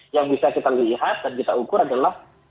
yang bisa kita lihat dan kita ukur adalah